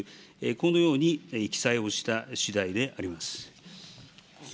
このように記載をしたしだいであります。